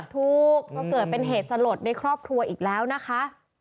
ถูกก็เกิดเป็นเหตุสลดในครอบครัวอีกแล้วนะคะ